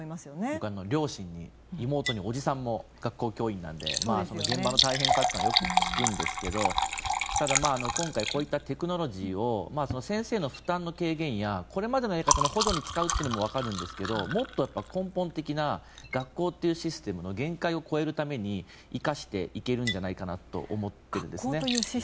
僕は両親に妹におじさんも学校教員なので現場の大変さはよく聞くんですがただ、今回こういったテクノロジーを先生の負担の軽減やこれまでのやり方の補助に使うというのも分かるんですけどもっと根本的な学校というシステムの限界を超えるために生かしていけるんじゃないかなと思っているんです。